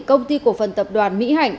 công ty cổ phần tập đoàn mỹ hạnh